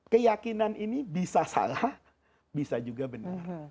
keyakinan ini bisa salah bisa juga benar